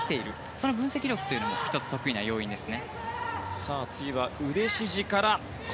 その分析力も１つ得意な要因です。